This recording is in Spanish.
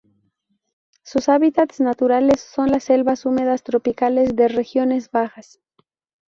Sus hábitats naturales son las selvas húmedas tropicales de regiones bajas.